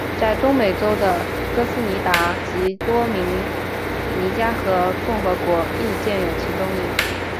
在中美洲的哥斯达尼加及多明尼加共和国亦有见其踪影。